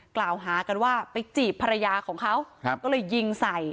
กล่าวหากันว่าไปจีบภรรยาของเขาก็เลยยิงใส่